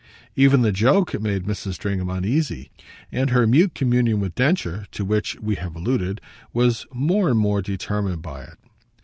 Even the joke made Mrs. Stringham uneasy, and her mute communion with Densher, to which we have alluded, was more and more determined by it.